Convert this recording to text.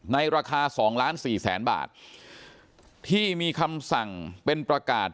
ในราคา๒ล้านสี่แสนบาทที่มีคำสั่งเป็นประกาศ